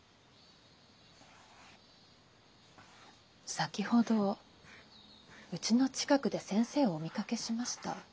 先ほどうちの近くで先生をお見かけしました。